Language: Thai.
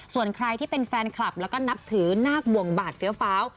ส่วนใครที่เป็นแฟนคลับแล้วก็นับถือนาคบวงบาดเฟี้ยวฟ้าว